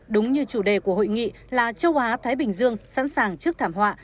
đúng như chủ đề của hội nghị là châu á thái bình dương sẵn sàng trước thảm họa